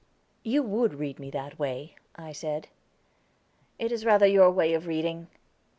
"You would read me that way," I said. "It is rather your way of reading."